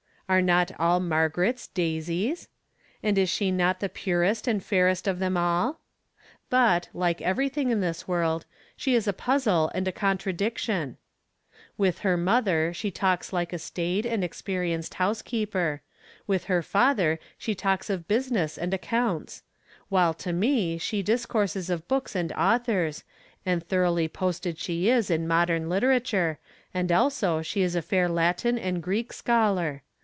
Are not all Margarets daisies? And is she not the purest and fairest of them all ? But, like everything in this world, she is a puzzle and a contradiction. From Different Standpoints. 9 With her mother she talks like a staid and expe rienced housekeeper ; with her father she talks of business and accounts ; while to me she discourses of books and authors, and thoroughly posted she is in modern literature, and also she is a fair Latin and Greek scholar.